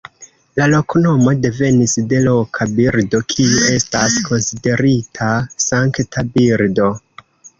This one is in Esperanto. La loknomo devenis de loka birdo, kiu estas konsiderita sankta birdo.